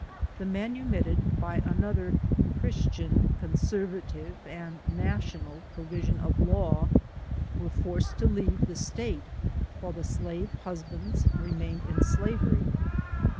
The manu mitted, by another Christian, " conservative," and LIFE OF HARRIET TUBMAISL, " national " provision of law, were forced to leave the State, w^ile the slave husbands remained in slavery.